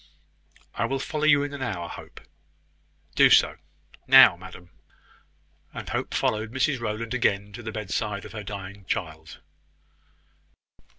"I will follow you in an hour, Hope." "Do so. Now, madam." And Hope followed Mrs Rowland again to the bedside of her dying child.